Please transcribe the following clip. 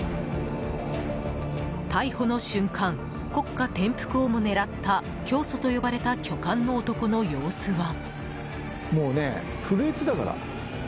逮捕の瞬間、国家転覆をも狙った教祖と呼ばれた巨漢の男の様子は。